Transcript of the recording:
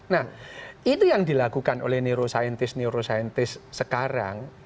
nah itu yang dilakukan oleh neuroscientist neuroscientist sekarang